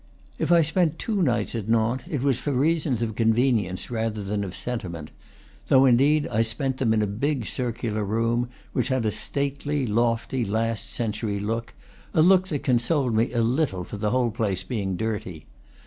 If I spent two nights at Nantes, it was for reasons of convenience rather than of sentiment; though, in deed, I spent them in a big circular room which had a stately, lofty, last century look, a look that con soled me a little for the whole place being dirty.